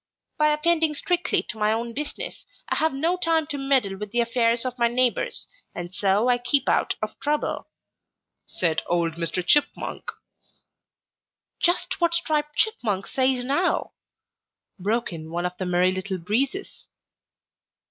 'By attending strictly to my own business, I have no time to meddle with the affairs of my neighbors, and so I keep out of trouble,' said old Mr. Chipmunk," "Just what Striped Chipmunk says now," broke in one of the Merry Little Breezes.